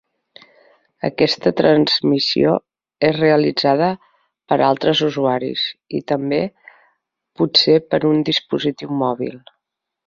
Aquesta transmissió és realitzada per altres usuaris, i també potser per un dispositiu mòbil.